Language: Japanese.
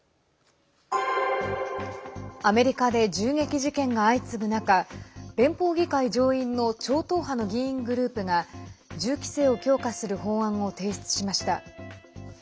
アメリカで銃撃事件が相次ぐ中連邦議会上院の超党派の議員グループが銃規制を強化する法案を提出しました。